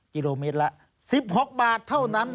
กิโลเมตรละ๑๖บาทเท่านั้น